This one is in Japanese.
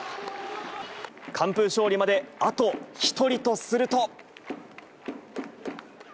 完封勝利まであと１人とすると。